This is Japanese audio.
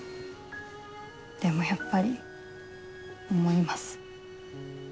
でもやっぱり思います。